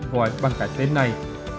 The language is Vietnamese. gọi bằng cái tên này